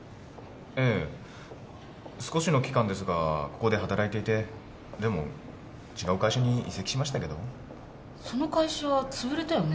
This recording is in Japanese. ええ少しの期間ですがここで働いていてでも違う会社に移籍しましたけどその会社潰れたよね